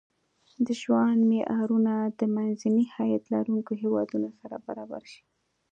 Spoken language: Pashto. د ژوند معیارونه د منځني عاید لرونکو هېوادونو سره برابر شي.